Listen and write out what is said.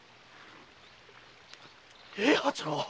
平八郎！